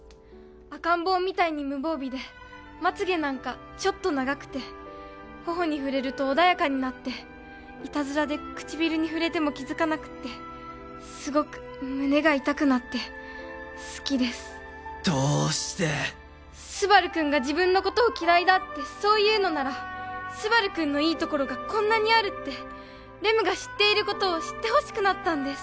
赤ん坊みたいに無防備でまつげなんかちょっと長くて頬に触れると穏やかになっていたずらで唇に触れても気づかなくってすごく胸が痛くなって好きですどうしてスバル君が自分のことを嫌いだってそう言うのならスバル君のいいところがこんなにあるってレムが知っていることを知ってほしくなったんです